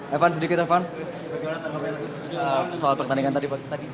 evan sedikit evan soal pertandingan tadi